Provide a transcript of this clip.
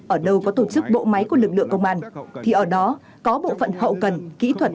ở đâu có tổ chức bộ máy của lực lượng công an thì ở đó có bộ phận hậu cần kỹ thuật